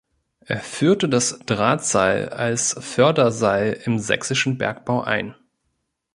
Er führte das Drahtseil als Förderseil im sächsischen Bergbau ein.